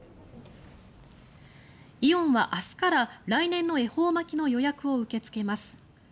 イオンは明日から来年の恵方巻きの予約を受け付けます。